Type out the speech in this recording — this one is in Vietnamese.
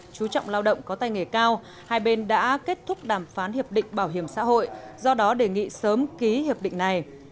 chú trọng lao động có tay nghề cao hai bên đã kết thúc đàm phán hiệp định bảo hiểm xã hội do đó đề nghị sớm ký hiệp định này